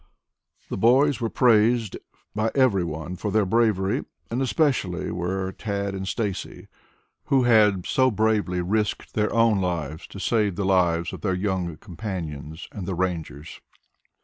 The boys were praised by every one for their bravery, and especially were Tad and Stacy, who had so bravely risked their own lives to save the lives of their young companions and the Rangers.